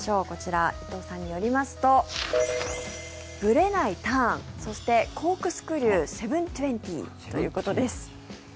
こちら、伊藤さんによりますとぶれないターンそして、コークスクリュー７２０ということです。